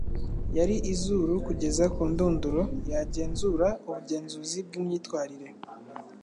yari izuru Kugeza ku ndunduro yagenzura ubugenzuzi bwimyitwarire